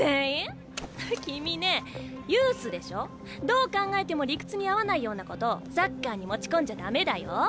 どう考えても理屈に合わないようなことサッカーに持ち込んじゃ駄目だよ。